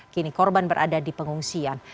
kini korban berada di pengungsian